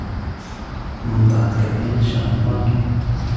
أمطرت كثيراً الشهر الماضي.